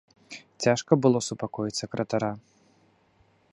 Цяжка было супакоіць сакратара.